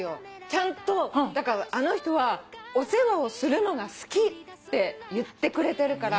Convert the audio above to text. ちゃんとだからあの人はお世話をするのが好きって言ってくれてるから。